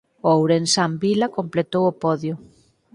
O ourensán "Vila" completou o podio.